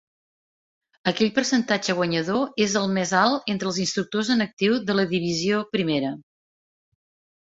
Aquell percentatge guanyador és el més alt entre els instructors en actiu de la Divisió I.